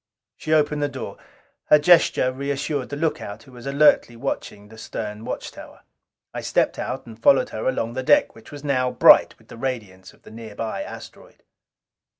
She opened the door. Her gesture reassured the lookout, who was alertly watching the stern watchtower. I stepped out, and followed her forward along the deck, which now was bright with the radiance of the nearby asteroid.